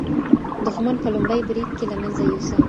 دښمن په لومړي برید کي له منځه یوسه.